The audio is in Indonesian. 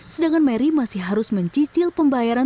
sedangkan mary masih harus mencicil pembayaran